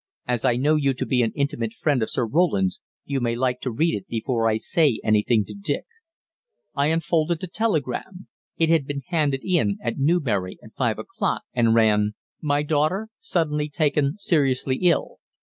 "As I know you to be an intimate friend of Sir Roland's, you may like to read it before I say anything to Dick." I unfolded the telegram. It had been handed in at Newbury at five o'clock, and ran: "My daughter suddenly taken seriously ill.